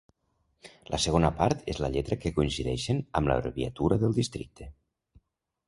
La segona part és la lletra que coincideixen amb l'abreviatura del districte.